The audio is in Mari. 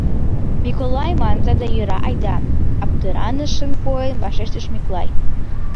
— Миколай манза да йӧра айда... — аптыранышын койын вашештыш Мӱклай.